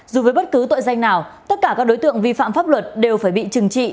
dù với bất cứ tội danh nào tất cả các đối tượng vi phạm pháp luật đều phải bị trừng trị